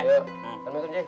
selamat musim ji